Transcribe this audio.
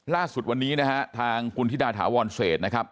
ล่าสุดวันนี้นะฮะทางคุณธิดาถาวรเศษนะครับ